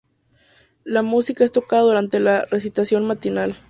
La música es tocada durante la Recitación matinal.